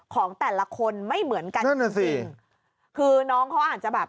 ของแต่ละคนไม่เหมือนกันนั่นน่ะสิคือน้องเขาอาจจะแบบ